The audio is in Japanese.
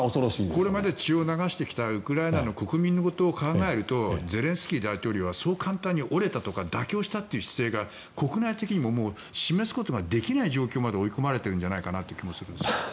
これまで血を流してきたウクライナ国民のことを考えるとゼレンスキー大統領はそう簡単に折れたとか妥協したという姿勢が国内的にももう示すことができない状況にまで追い込まれているんじゃないかなという気もするんですが。